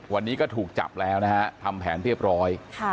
วันนี้ก็ถูกจับแล้วนะฮะทำแผนเรียบร้อย